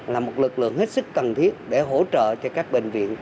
là một lực lượng hết sức cần thiết để hỗ trợ cho các bệnh viện